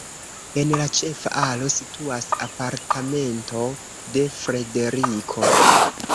En la ĉefa alo situas apartamento de Frederiko.